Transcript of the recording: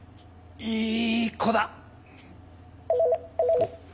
いい子だ！